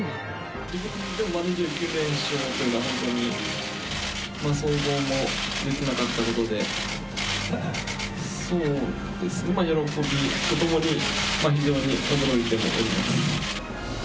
自分でも２９連勝というのは、本当に想像もできなかったことで、そうですね、喜びとともに非常に驚いております。